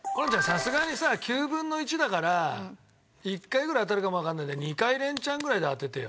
さすがにさ９分の１だから１回ぐらい当たるかもわかんないんで２回連チャンぐらいで当ててよ。